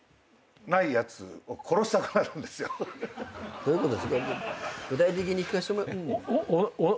どういうことですか？